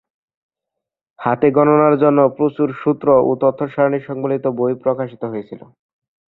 হাতে গণনার জন্য প্রচুর সুত্র ও তথ্য সারণি সংবলিত বই প্রকাশিত হয়েছিল।